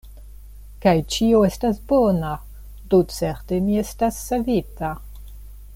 Kaj ĉio estas bona; do certe mi estas savita!